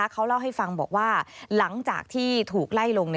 เขาเล่าให้ฟังบอกว่าหลังจากที่ถูกไล่ลง